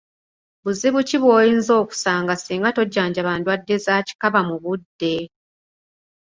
Buzibu ki bw’oyinza okusanga singa tojjanjaba ndwadde za kikaba mu budde?